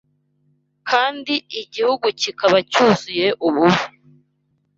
kandi igihugu kikaba cyuzuye ububi.